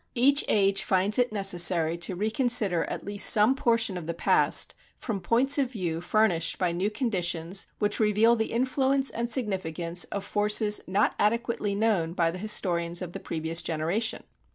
Each age finds it necessary to reconsider at least some portion of the past, from points of view furnished by new conditions which reveal the influence and significance of forces not adequately known by the historians of the previous generation.